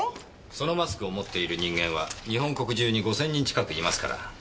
そのマスクを持っている人間は日本中に５千人近くいますから。